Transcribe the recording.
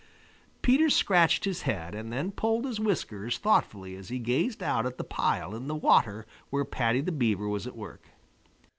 Peter scratched his head and then pulled his whiskers thoughtfully as he gazed out at the pile in the water where Paddy the Beaver was at work.